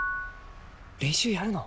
「練習やるの？」